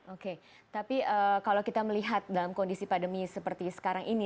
oke tapi kalau kita melihat dalam kondisi pandemi seperti sekarang ini